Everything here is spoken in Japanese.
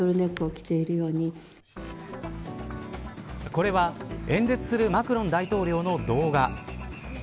これは、演説するマクロン大統領の動画。